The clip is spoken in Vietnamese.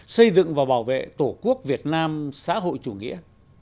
xây dựng và bảo vệ tổ quốc việt nam xã hội chủ nghĩa